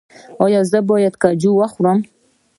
ایا زه باید کاجو وخورم؟